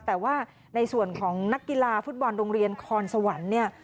แต่ว่าในส่วนของนักกีฬาฟุตบอลโรงเรียนคอนสวรรค์เนี่ย